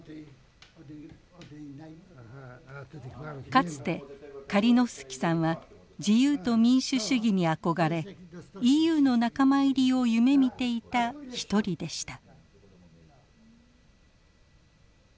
かつてカリノフスキさんは自由と民主主義に憧れＥＵの仲間入りを夢みていた一人でした。